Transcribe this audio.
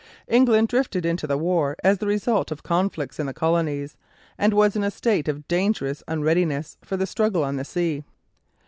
England drifted into the war as the result of conflicts in the colonies, and was in a state of dangerous unreadiness for the struggle on the sea.